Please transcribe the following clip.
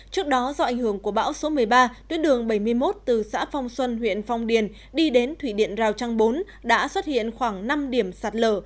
trước đó do ảnh hưởng của bão số một mươi ba tuyến đường bảy mươi một từ xã phong xuân huyện phong điền đi đến thủy điện rào trăng bốn đã xuất hiện khoảng năm điểm sạt lở